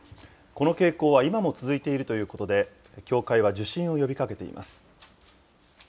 この傾向は今も続いているということで、協会は受診を呼びかけています。